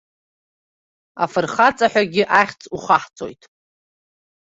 Афырхаҵа ҳәагьы ахьӡ ухаҳҵоит.